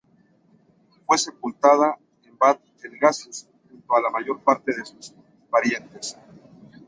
Fue sepultada en Bab el-Gasus, junto a la mayor parte de sus parientes.